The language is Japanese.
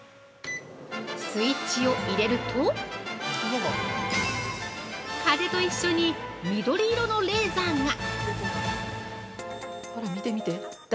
◆スイッチを入れると風と一緒に緑色のレーザーが！